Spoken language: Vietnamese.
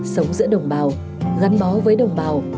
sống giữa đồng bào gắn bó với đồng bào